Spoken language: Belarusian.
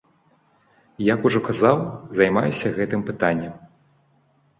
Як ужо казаў, займаюся гэтым пытаннем.